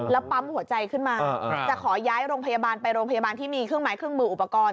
แล้วปั๊มหัวใจขึ้นมาจะขอย้ายโรงพยาบาลไปโรงพยาบาลที่มีเครื่องไม้เครื่องมืออุปกรณ์